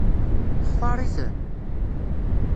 Textaṛ-iten?